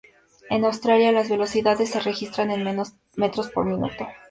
En Australia, las velocidades se registran en metros por minuto.